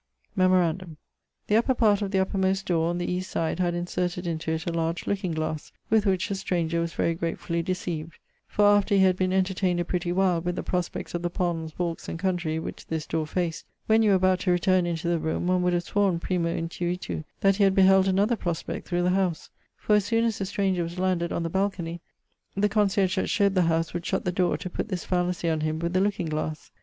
Memorandum: the upper part of the uppermost dore, on the east side, had inserted into it a large looking glasse, with which the stranger was very gratefully decieved, for (after he had been entertained a pretty while, with the prospects of the ponds, walks, and countrey, which this dore faced) when you were about to returne into the roome, one would have sworn primo intuitu, that he had beheld another prospect through the howse: for, as soon as the stranger was landed on the balconie, the conserge that shewed the howse would shutt the dore to putt this fallacy on him with the looking glasse.